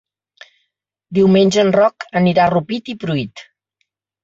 Diumenge en Roc anirà a Rupit i Pruit.